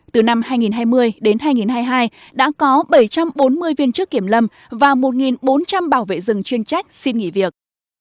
từ năm hai nghìn hai mươi đến hai nghìn hai mươi hai đã có bảy trăm bốn mươi viên chức kiểm lâm và một bốn trăm linh bảo vệ rừng chuyên trách xin nghỉ việc